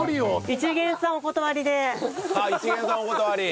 一見さんお断り。